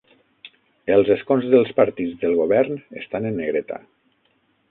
Els escons dels partits del govern estan en negreta.